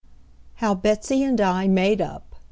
HOW BETSEY AND I MADE UP.